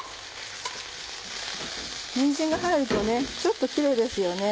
にんじんが入るとねちょっとキレイですよね。